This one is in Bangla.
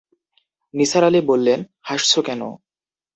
নিসার আলি বললেন, হাসছ কেন?